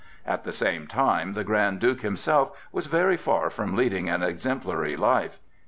At the same time the Grand Duke himself was very far from leading an exemplary life.